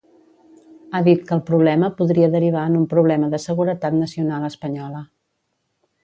Ha dit que el problema podria derivar en un problema de seguretat nacional espanyola.